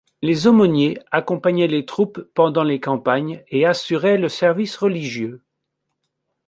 Les aumôniers accompagnaient les troupes pendant les campagnes et assuraient le service religieux.